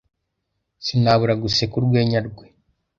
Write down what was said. Sinabura guseka urwenya rwe.